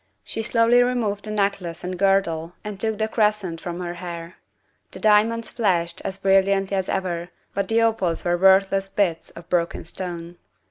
She slowly removed the necklace and girdle and took the crescent from her hair. The diamonds flashed as brilliantly as ever, but the opals were worthless bits of broken stone.